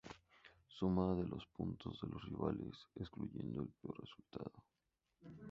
Suma de los puntos de los rivales, excluyendo el peor resultado.